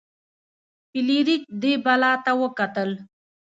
فلیریک دې بلا ته وکتل.